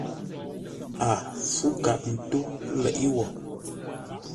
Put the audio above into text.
A fú kap tó leʼé wo.